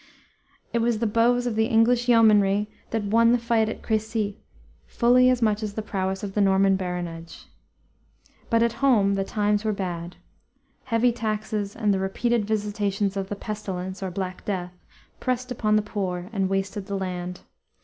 It was the bows of the English yeomanry that won the fight at Crecy, fully as much as the prowess of the Norman baronage. But at home the times were bad. Heavy taxes and the repeated visitations of the pestilence, or Black Death, pressed upon the poor and wasted the land.